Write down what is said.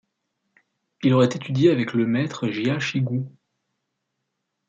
Il aurait étudié avec le maître Jia Shigu.